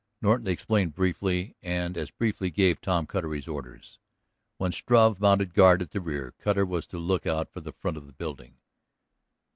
Norton explained briefly and as briefly gave Tom Cutter his orders. While Struve mounted guard at the rear, Cutter was to look out for the front of the building.